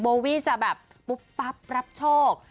วี่จะแบบปุ๊บปั๊บรับโชค